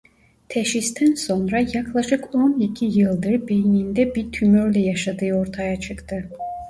Teşhisten sonra yaklaşık on iki yıldır beyninde bir tümörle yaşadığı ortaya çıktı.